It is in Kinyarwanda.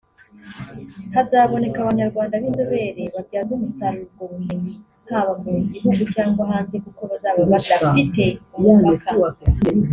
Hazaboneka Abanyarwanda b’inzobere babyaza umusaruro ubwo bumenyi haba mu gihugu cyangwa hanze kuko bazaba badafite umupaka”